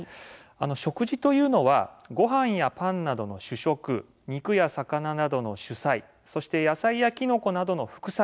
食事というのはごはんやパンなどの主食肉や魚などの主菜そして野菜やきのこなどの副菜